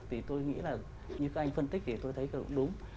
thì tôi nghĩ là như các anh phân tích thì tôi thấy là đúng